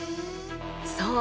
そう！